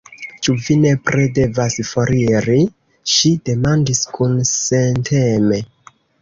Ĉu vi nepre devas foriri? ŝi demandis kunsenteme.